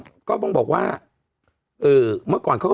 พี่โอ๊คบอกว่าเขินถ้าต้องเป็นเจ้าภาพเนี่ยไม่ไปร่วมงานคนอื่นอะได้